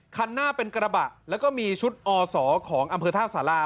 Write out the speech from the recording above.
คันหน้าเป็นกระบะแล้วก็มีชุดอศของอำเภอท่าสารา